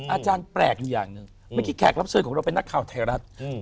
อาจารย์แปลกอยู่อย่างหนึ่งเมื่อกี้แขกรับเชิญของเราเป็นนักข่าวไทยรัฐ